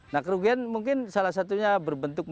nah kerugian mungkin salah satunya berbentuk